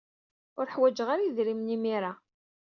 Ur ḥwajeɣ ara idrimen imir-a.